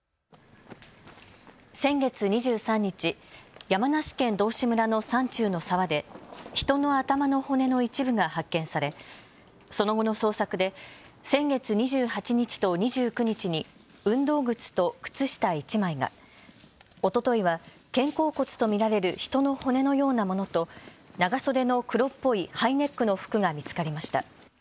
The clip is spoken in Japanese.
先月２３日、山梨県道志村の山中の沢で人の頭の骨の一部が発見されその後の捜索で先月２８日と２９日に運動靴と靴下１枚が、おとといは肩甲骨と見られる人の骨のようなものと長袖の黒っぽいハイネックの服が見つかりました。